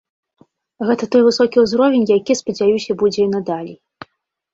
Гэта той высокі ўзровень, які, спадзяюся, будзе і надалей.